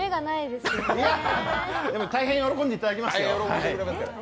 でも大変喜んでいただきましたよ。